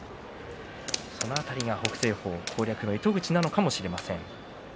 その辺りが北青鵬攻略の糸口なのかもしれません。